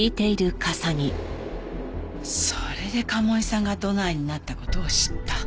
それで賀茂井さんがドナーになった事を知った。